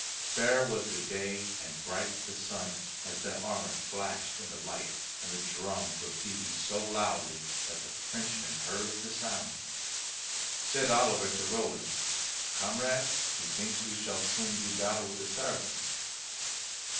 Fair was the day and bright the sun, as their armour flashed in the light and the drums were beaten so loudly that the Frenchmen heard the sound. Said Oliver to Roland, "Comrade, methinks we shall soon do battle with the Saracens."